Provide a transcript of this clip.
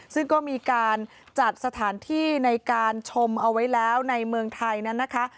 ซึ่งก็มีการจัดสถานที่ในการชมเอาไว้แล้วในเมืองไทยนั้นนะคะ